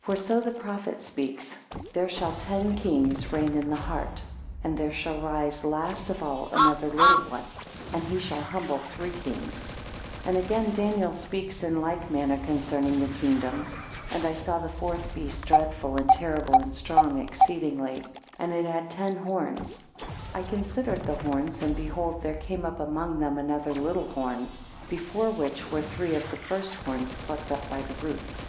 5 For so the prophet speaks; There shall ten kings reign in the heart, and there shall rise last of all another little one, and he shall humble three kings. 6 And again Daniel speaks in like manner concerning the kingdoms; and I saw the fourth beast dreadful and terrible, and strong exceedingly; and it had ten horns. I considered the horns, and behold there came up among them another little horn, before which were three of the first horns plucked up by the roots.